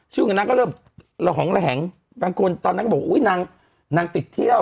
ช่วงนั้นก็เริ่มหล่อหองแห็งตอนนั้นก็บอกว่านางติดเที่ยว